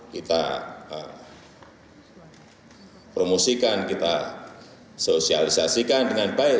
kita promosikan kita sosialisasikan dengan baik